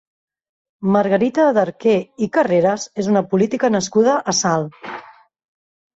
Margarita de Arquer i Carreras és una política nascuda a Salt.